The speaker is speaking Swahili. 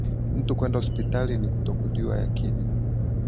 Mtu kwenda sipitali, ni kutojuwa yakini,